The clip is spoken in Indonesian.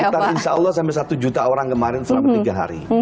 sekitar insya allah sampai satu juta orang kemarin selama tiga hari